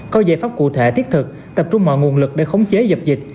có giải pháp cụ thể thiết thực tập trung mọi nguồn lực để khống chế dập dịch